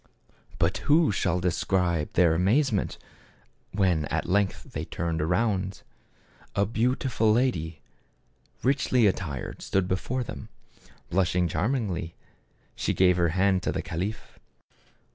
But who shall describe their amazement when at length they turned around ! A beautiful lady, richly attired, stood before them. Blush ing charmingly she gave her hand to the caliph.